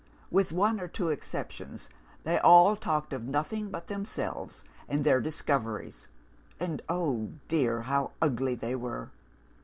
With one or two exceptions, they talked of nothing but themselves and their discoveries and, oh, dear, how ugly they were!